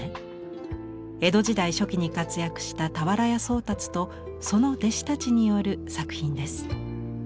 江戸時代初期に活躍した俵屋宗達とその弟子たちによる作品です。